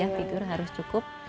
ya tidur harus cukup